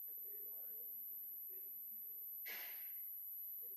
Byla tu základní škola nižšího stupně a zdravotní středisko.